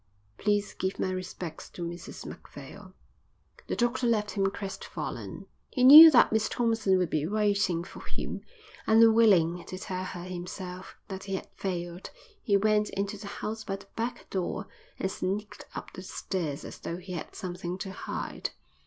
Please give my respects to Mrs Macphail." The doctor left him crest fallen. He knew that Miss Thompson would be waiting for him, and unwilling to tell her himself that he had failed, he went into the house by the back door and sneaked up the stairs as though he had something to hide.